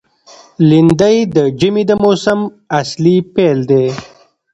لېندۍ د ژمي د موسم اصلي پیل دی.